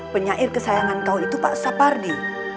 penyair kesayangan kau itu pak sapardi